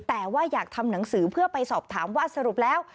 แต่ว่าอยากทำหนังสือเพื่อไปสอบถามว่าสรุปแล้ว